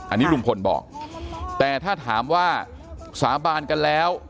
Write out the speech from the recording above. อันนี้ลุงพลบอกแต่ถ้าถามว่าสาบานกันแล้ว